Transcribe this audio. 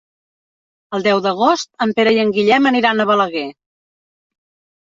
El deu d'agost en Pere i en Guillem aniran a Balaguer.